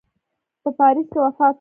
په پاریس کې وفات سو.